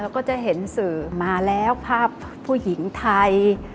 ก็จะเห็นสื่อมาแล้วภาพผู้หญิงไทย